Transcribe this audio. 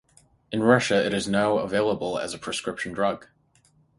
In Russia it is now available as a prescription drug.